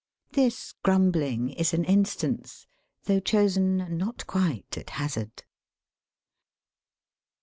This grumbling is an instance, though chosen not quite at hazard.